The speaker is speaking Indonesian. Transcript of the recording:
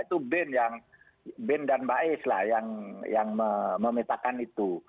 itu ben dan ba'is yang memetakan itu